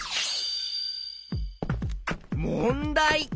もんだい。